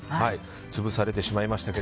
潰されてしまいました。